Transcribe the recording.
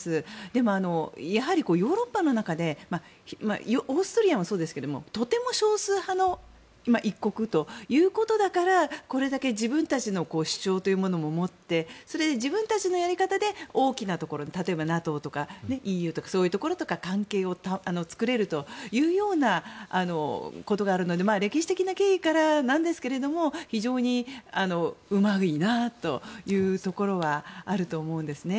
でも、ヨーロッパの中でオーストリアもそうですけどとても少数派の一国ということだからこれだけ自分たちの主張も持って自分たちのやり方で大きなところに例えばＮＡＴＯとかＥＵとかそういうところと関係を作れるというようなことがあるので歴史的な経緯からですけれども非常にうまいなというところはあると思うんですね。